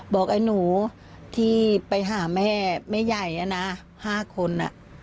บอกไอ้หนูที่ไปหาแม่แม่ใหญ่นะ๕คน